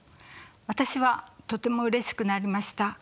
私はとてもうれしくなりました。